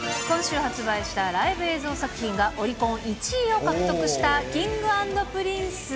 今週発売したライブ映像作品がオリコン１位を獲得したＫｉｎｇ＆Ｐｒｉｎｃｅの。